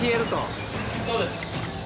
そうです。